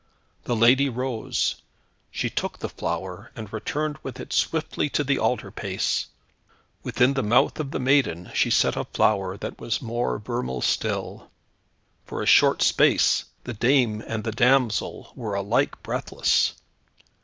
The lady rose. She took the flower, and returned with it swiftly to the altar pace. Within the mouth of the maiden, she set a flower that was more vermeil still. For a short space the dame and the damsel were alike breathless.